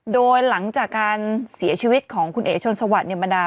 โดยหลังจากการเสียชีวิตของคุณเอ๋ชนสวัสดิ์บรรดา